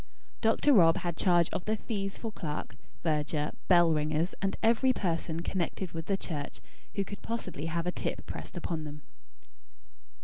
Dr. Rob had charge of the fees for clerk, verger, bell ringers, and every person, connected with the church, who could possibly have a tip pressed upon them.